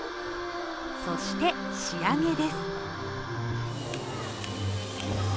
そして、仕上げです。